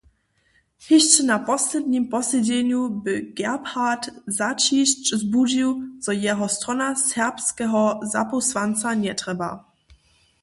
Hišće na poslednim posedźenju bě Gebhardt zaćišć zbudźił, zo jeho strona serbskeho zapósłanca njetrjeba.